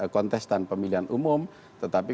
kontestan pemilihan umum tetapi